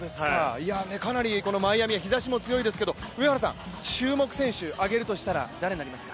かなりマイアミ、日ざしも強いですけど、注目選手を挙げるとしたら誰になりますか？